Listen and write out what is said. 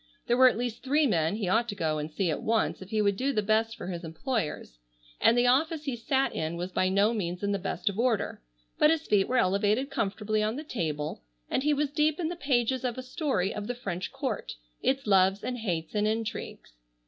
There were at least three men he ought to go and see at once if he would do the best for his employers, and the office he sat in was by no means in the best of order. But his feet were elevated comfortably on the table and he was deep in the pages of a story of the French Court, its loves and hates and intrigues.